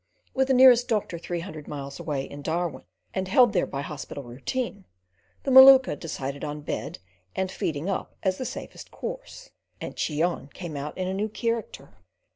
With the nearest doctor three hundred miles away in Darwin, and held there by hospital routine, the Maluka decided on bed and feeding up as the safest course, and Cheon came out in a new character.